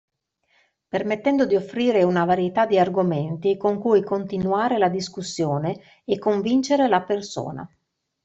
Permettendo di offrire una varietà di argomenti con cui continuare la discussione e convincere la persona.